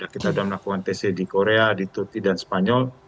kita sudah melakukan tc di korea di turki dan spanyol